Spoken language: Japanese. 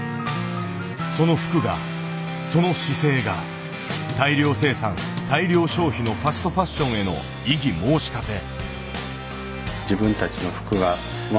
その服がその姿勢が大量生産大量消費のファストファッションへの異議申し立て。